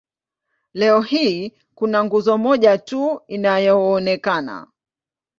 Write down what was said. Leo hii kuna nguzo moja tu inayoonekana.